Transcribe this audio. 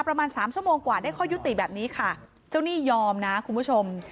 ประมาณสามชั่วโมงกว่าได้ข้อยุติแบบนี้ค่ะเจ้าหนี้ยอมนะคุณผู้ชม